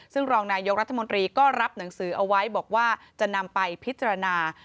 ซึ่งรองนายกรัฐมนตรีก็รับหนังสือเอาไว้บอกว่าจะนำไปพิจารณา